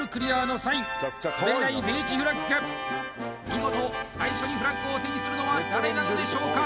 見事最初にフラッグを手にするのは誰なのでしょうか？